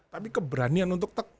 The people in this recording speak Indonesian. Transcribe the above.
tapi keberanian untuk tek